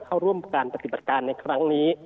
เข้าร่วมการปฏิบัติการในครั้งนี้